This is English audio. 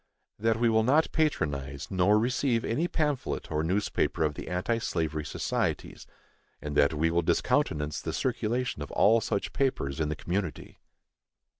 That we will not patronize nor receive any pamphlet or newspaper of the anti slavery societies, and that we will discountenance the circulation of all such papers in the community.